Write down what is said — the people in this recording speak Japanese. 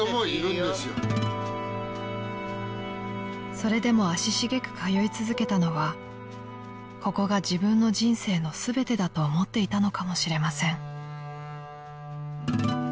［それでも足しげく通い続けたのはここが自分の人生の全てだと思っていたのかもしれません］